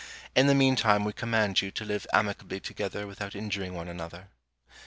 In the mean time we command you to live amicably together without injuring one another.